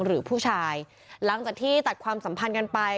หรือผู้ชายหลังจากที่ตัดความสัมพันธ์กันไป